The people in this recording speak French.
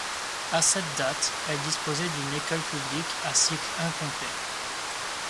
À cette date, elle disposait d'une école publique à cycle incomplet.